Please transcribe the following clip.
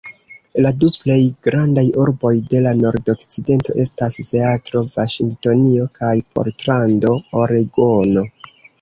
La du plej grandaj urboj de la nordokcidento estas Seatlo, Vaŝingtonio kaj Portlando, Oregono.